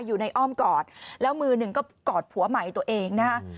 อ้อมกอดแล้วมือหนึ่งก็กอดผัวใหม่ตัวเองนะฮะ